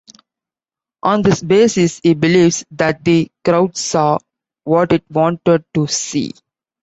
On this basis, he believes that the crowd saw what it wanted to see.